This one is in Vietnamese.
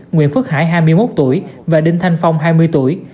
nguyễn phước hải hai mươi một tuổi và đinh thanh phong hai mươi tuổi